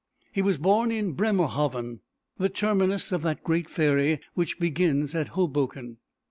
He was born in Bremerhaven, the terminus of that great ferry which begins at Hoboken.